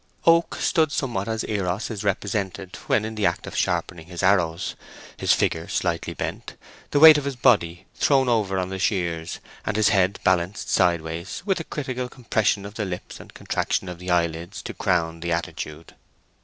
Oak stood somewhat as Eros is represented when in the act of sharpening his arrows: his figure slightly bent, the weight of his body thrown over on the shears, and his head balanced side ways, with a critical compression of the lips and contraction of the eyelids to crown the attitude.